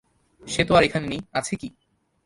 সে তো আর এখানে নেই, আছে কি?